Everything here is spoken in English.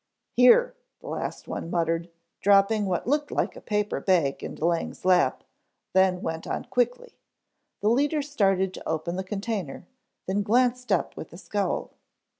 "Here," the last one muttered, dropping what looked like a paper bag into Lang's lap, then went on quickly. The leader started to open the container, then glanced up with a scowl.